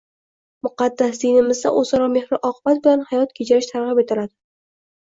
Muqaddas dinimizda o‘zaro mehru oqibat bilan hayot kechirish targ‘ib etiladi